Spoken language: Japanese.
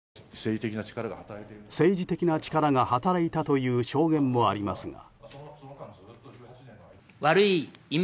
政治的な力が働いたという証言もありますが。